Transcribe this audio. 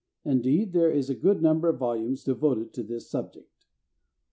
Indeed, there is a good number of volumes devoted to this subject.